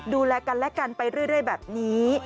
ดูแลกันและกันไปเรื่อยแบบนี้